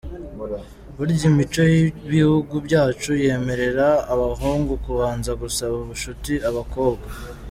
Burya imico y’ibihugu byacu yemerera abahungu kubanza gusaba ubucuti abakobwa.